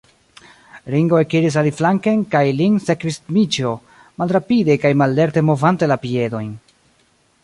Ringo ekiris aliflanken, kaj lin sekvis Dmiĉjo, malrapide kaj mallerte movante la piedojn.